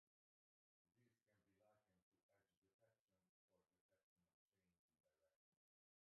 This can be likened to edge detection or detection of change in direction.